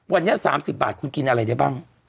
วันนี้๓๐บาทคุณกินอะไรได้บ้าง